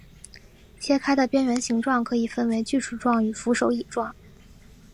切开的边缘形状可以分为锯齿形和扶手椅形。